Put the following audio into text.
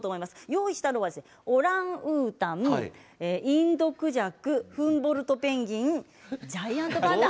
用意したのはオランウータン、インドクジャクフンボルトペンギンジャイアントパンダ。